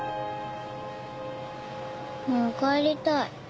もう帰りたい。